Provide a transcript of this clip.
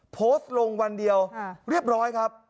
โพสต์ลงวันเดียวเรียบร้อยครับ